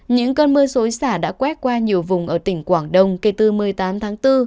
những cơn mưa rối xả đã quét qua nhiều vùng ở tỉnh quảng đông kể từ một mươi tám tháng bốn